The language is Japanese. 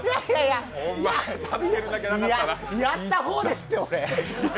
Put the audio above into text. やった方ですって、俺。